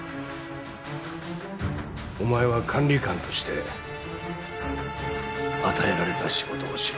お前は管理官として与えられた仕事をしろ。